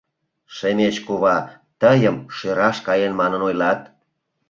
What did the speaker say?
Шемеч кува... тыйым шӧраш каен манын ойлат.